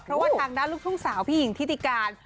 เพราะว่าทางด้านลูกทุ่งสาวพี่หญิงทิติการ